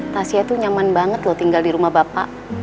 tasya itu nyaman banget loh tinggal di rumah bapak